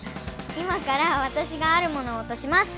今からわたしがあるものを落とします。